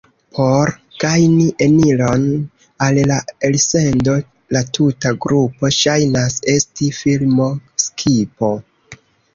Por gajni eniron al la elsendo, la tuta grupo ŝajnas esti filmo-skipo.